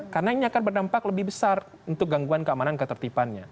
karena ini akan berdampak lebih besar untuk gangguan keamanan ketertibannya